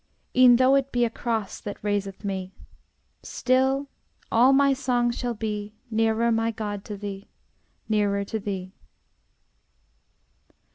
E'en though it be a cross That raiseth me; Still all my song shall be, Nearer, my God, to thee, Nearer to thee!